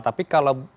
tapi kalau berigambar